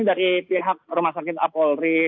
dari pihak rumah sakit polri